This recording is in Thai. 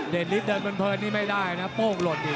เด็ดลิฟต์เดินเปิดนี่ไม่ได้นะครับโป้งหลดดี